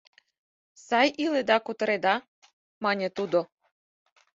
— Сай иледа, кутыреда? — мане тудо.